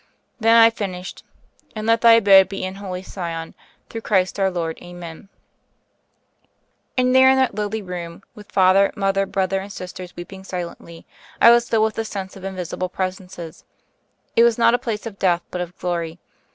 Then I finished : *'And let thy abode be in Holy Sion : through Christ our Lord, Amen." And there in that lowly room, with father, mother, brother, and sisters weeping silently, I was filled with the sense of invisible presences. It was not a place of death, but of glory.